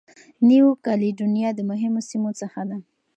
نیو کالېډونیا د مهمو سیمو څخه ده.